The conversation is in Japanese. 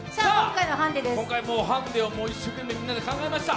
今回、ハンデを一生懸命みんなで考えました。